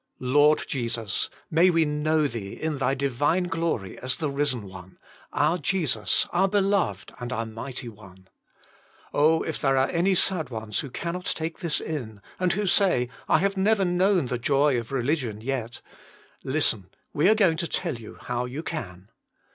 Lord Jesus! may we know Thee in thy divine glory as the risen One, our Jesus, our Beloved and our mighty One. Oh! if there are any sad ones who cannot take this in, and who say, <* I have never known the joy of relig ion yet "— listen, we are going to tell you how you can.